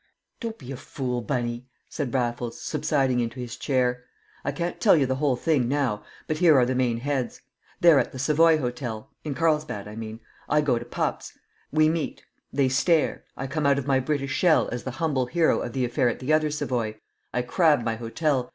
"Don't be a fool, Bunny," said Raffles, subsiding into his chair. "I can't tell you the whole thing now, but here are the main heads. They're at the Savoy Hotel, in Carlsbad I mean. I go to Pupp's. We meet. They stare. I come out of my British shell as the humble hero of the affair at the other Savoy. I crab my hotel.